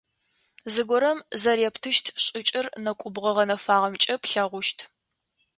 Зыгорэм зэрептыщт шӏыкӏэр нэкӏубгъо гъэнэфагъэмкӏэ плъэгъущт.